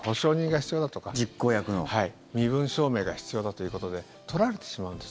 身分証明が必要だということで取られてしまうんです。